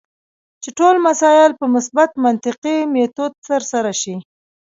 چې ټول مسایل په مثبت منطقي میتود ترسره شي.